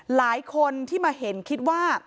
หลายคนที่มาเห็นคิดว่า